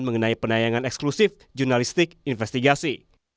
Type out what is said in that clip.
mengenai penayangan eksklusif jurnalistik investigasi